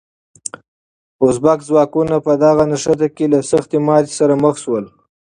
ازبک ځواکونه په دغه نښته کې له سختې ماتې سره مخ شول.